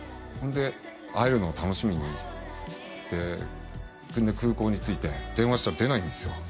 ほんで会えるのを楽しみにで空港に着いて電話したら出ないんですよ